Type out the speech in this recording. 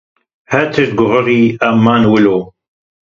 Her tişt guherî, em mane wilo.